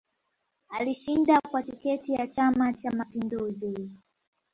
Alishinda kwa tiketi ya chama cha mapinduzi